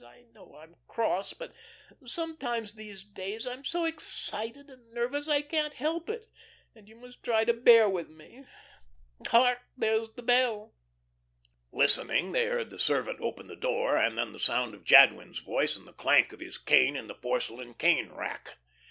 I know I'm cross, but sometimes these days I'm so excited and nervous I can't help it, and you must try to bear with me. Hark, there's the bell." Listening, they heard the servant open the door, and then the sound of Jadwin's voice and the clank of his cane in the porcelain cane rack.